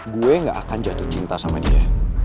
gue gak akan jatuh cinta sama dia